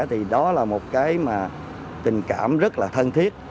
thì đó là một cái mà tình cảm rất là thân thiết